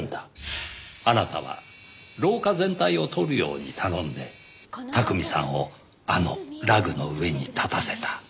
あなたは廊下全体を撮るように頼んで巧さんをあのラグの上に立たせた。